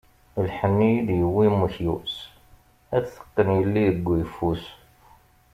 Lḥenni i d-yewwi umekyus, ad t-teqqen yelli deg uyeffus.